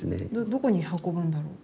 どこに運ぶんだろう。